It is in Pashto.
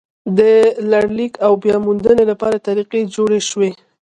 د لړلیک او بیا موندنې لپاره طریقې جوړې شوې.